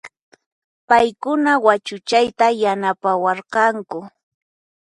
Payquna wachuchayta yanapawarqanku